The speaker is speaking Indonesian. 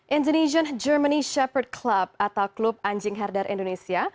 indonesian germany shepherd club atau klub anjing herder indonesia